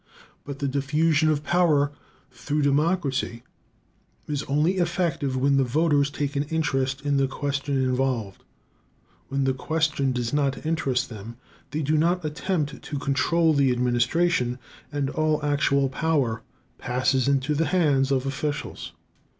But the diffusion of power through democracy is only effective when the voters take an interest in the question involved. When the question does not interest them, they do not attempt to control the administration, and all actual power passes into the hands of officials.